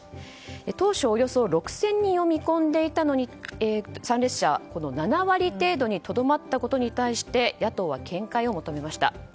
当初、およそ６０００人を見込んでいた参列者が７割程度にとどまったことに対して野党は見解を求めました。